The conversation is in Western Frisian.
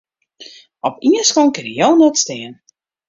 Op ien skonk kinne jo net stean.